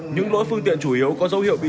những lỗi phương tiện chủ yếu có dấu hiệu bị